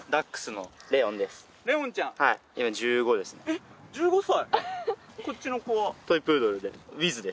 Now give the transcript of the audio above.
えっ１５歳。